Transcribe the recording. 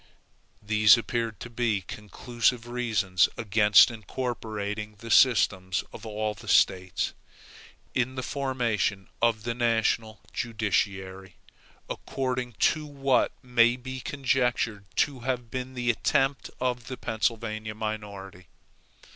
These appeared to be conclusive reasons against incorporating the systems of all the States, in the formation of the national judiciary, according to what may be conjectured to have been the attempt of the Pennsylvania minority.